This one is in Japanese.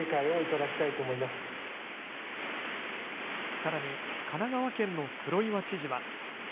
さらに神奈川県の黒岩知事は。